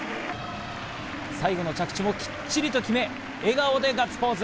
最後の着地もきっちりと決め、笑顔でガッツポーズ。